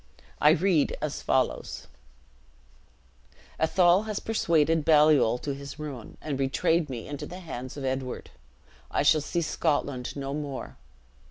I read as follows: "'Athol has persuaded Baliol to his ruin, and betrayed me into the hands of Edward. I shall see Scotland no more.